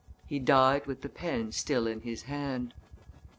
He died with the pen still in his hand.